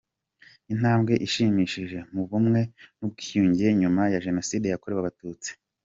Intambwe ishimishije mu bumwe n’ubwiyunge nyuma ya Jenoside yakorewe Abatutsi.